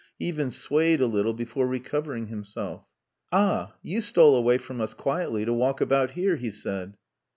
He even swayed a little before recovering himself. "Ah! You stole away from us quietly to walk about here," he said.